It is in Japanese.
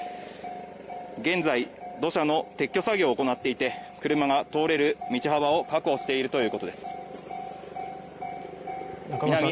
現在、土砂の撤去作業を行っていて車が通れる道幅を確保しているということです。